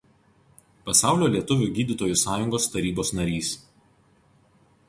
Pasaulio lietuvių gydytojų sąjungos tarybos narys.